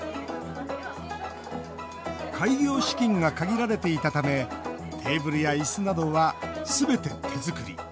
開業資金が限られていたためテーブルや、いすなどはすべて手作り。